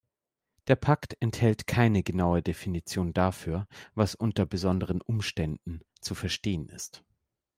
Der Pakt enthält keine genaue Definition dafür, was unter besonderen Umständen zu verstehen ist.